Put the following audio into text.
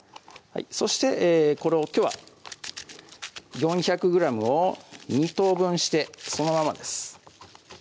そしてこれをきょうは４００ｇを２等分してそのままです